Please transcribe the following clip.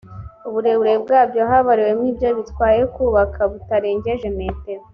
uburebure bwabyo habariwemo ibyo bitwaye bukaba butarengeje metero